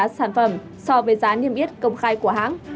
sản phẩm so với giá niêm yết công khai của hãng